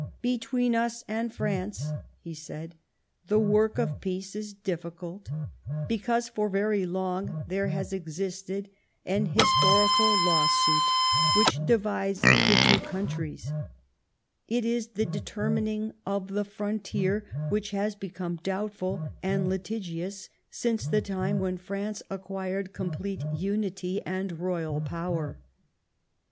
" Between us and France," he said, " the work of peace is difficult, because for very long there has existed an historical lawsuit which divides the two countries ; it is the determining of the frontier which has become doubtful and litigious since the time when France acquired complete unity and royal power.